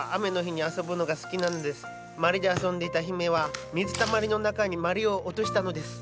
まりで遊んでいた姫は水たまりの中にまりを落としたのです。